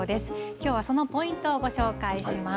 きょうはそのポイントをご紹介します。